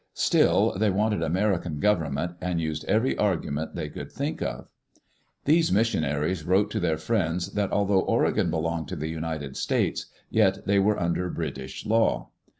Still, they wanted American government, and used every argument they could think of. These missionaries wrote to their friends that although Oregon belonged to the United States, yet they were under British law.